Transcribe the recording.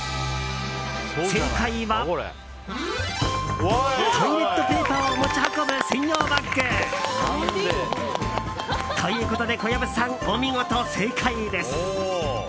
正解は、トイレットペーパーを持ち運ぶ専用バッグ。ということで小籔さんお見事、正解です！